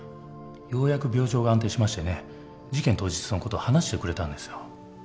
ようやく病状が安定しましてね事件当日のことを話してくれたんですよ